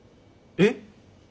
えっ？